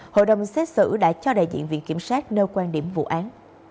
hội đồng xét xử đã cho đại diện viện kiểm sát nêu quan điểm vụ án